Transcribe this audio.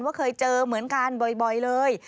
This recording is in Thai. ว่าเคยเจอเหมือนกันบ่อยเลย